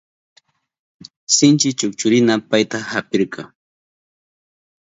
Sinchi chukchurina payta apirka.